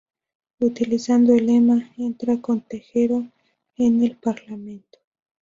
Utilizando el lema "¡Entra con Tejero en el Parlamento!